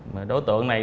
mà đối tượng này